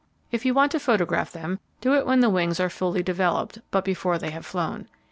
If you want to photograph them, do it when the wings are fully developed, but before they have flown.